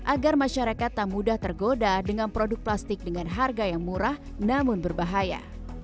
agar masyarakat tak mudah tergoda dengan produk plastik dengan harga yang murah namun berbahaya